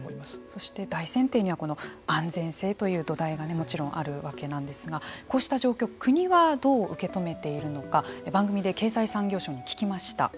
そして、大前提には安全性という土台がもちろんあるわけなんですがこうした状況を国はどう受け止めているのか番組で経済産業省に聞きました。